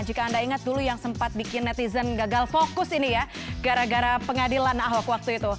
jika anda ingat dulu yang sempat bikin netizen gagal fokus ini ya gara gara pengadilan ahok waktu itu